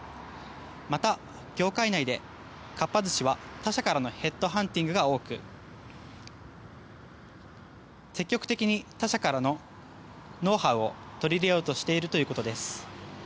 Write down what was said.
また、業界内でかっぱ寿司は他社からのヘッドハンティングが多く積極的に他社からのノウハウを取り入れようとしているということです。